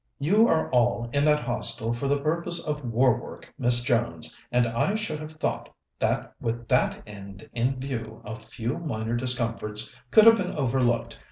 "You are all in that Hostel for the purpose of war work, Miss Jones, and I should have thought that with that end in view a few minor discomforts could have been overlooked.